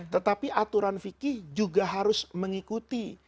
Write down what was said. tetapi aturan fikih juga harus mengikuti